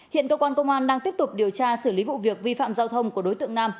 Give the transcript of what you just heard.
hiện cơ quan công an đang tiếp tục điều tra xử lý vụ việc vi phạm giao thông của đối tượng nam